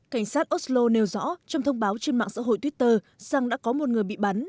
cảnh sát oslo nêu rõ trong thông báo trên mạng xã hội twitter rằng đã có một người bị bắn